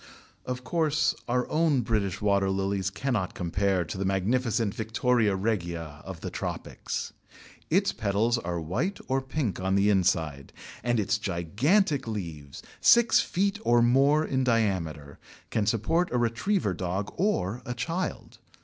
Of course, our own British water lilies cannot compare with the magnificent Victoria regia of the tropics. Its petals are white or pink on the inside, and its gigantic leaves, six feet or more in diameter, can support a retriever dog or a child.